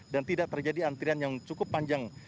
dan tidak terjadi antrian yang cukup panjang